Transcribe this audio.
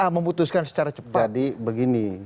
memutuskan secara cepat begini